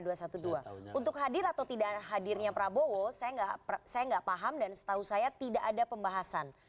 untuk hadir atau tidak hadirnya prabowo saya nggak paham dan setahu saya tidak ada pembahasan